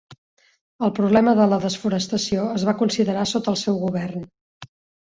El problema de la desforestació es va considerar sota el seu govern.